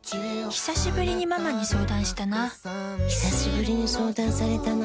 ひさしぶりにママに相談したなひさしぶりに相談されたな